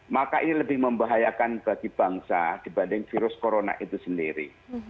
maka ini lebih membahayakan bagi bangsa dibanding virus corona itu sendiri